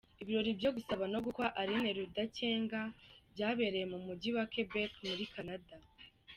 Ibirori byo gusaba no gukwa Aline Rudakenga byabereye mu Mujyi wa Quebec muri Canada.